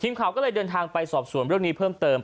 ข่าวก็เลยเดินทางไปสอบส่วนเรื่องนี้เพิ่มเติม